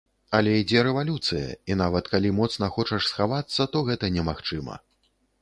Але ідзе рэвалюцыя, і нават калі моцна хочаш схавацца, то гэта немагчыма.